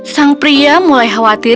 sang pria mulai khawatir